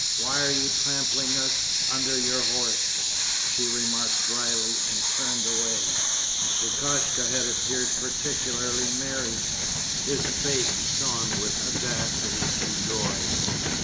Why are you trampling us under your horse?' she remarked dryly, and turned away. Lukashka had appeared particularly merry. His face shone with audacity and joy.